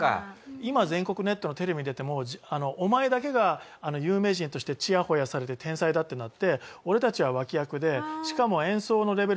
今全国ネットのテレビに出ても「お前だけが有名人としてチヤホヤされて天才だってなって俺たちは脇役でしかも演奏のレベル